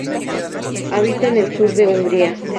Habita en el sur de Hungría.